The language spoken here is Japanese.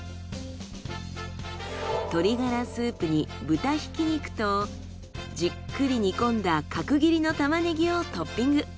鶏ガラスープに豚ひき肉とじっくり煮込んだ角切りのタマネギをトッピング。